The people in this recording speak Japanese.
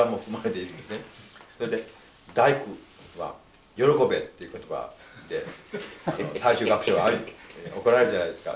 それで「第九」は「歓べ」っていう言葉で最終楽章は送られるじゃないですか。